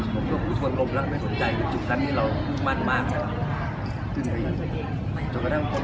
ก็บอกว่าทุกเวลาของมันจะมีความสร้างเหมือนกันครับ